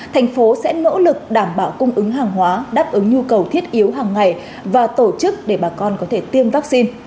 thành phố sẽ nỗ lực đảm bảo cung ứng hàng hóa đáp ứng nhu cầu thiết yếu hàng ngày và tổ chức để bà con có thể tiêm vaccine